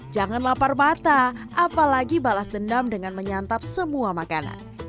jangan lapar mata apalagi balas dendam dengan menyantap semua makanan